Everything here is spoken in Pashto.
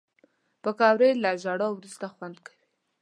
پکورې له ژړا وروسته خوند کوي